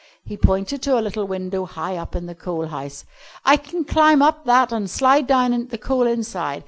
] He pointed to a little window high up in the coal house. "I can climb up that an' slide down the coal inside.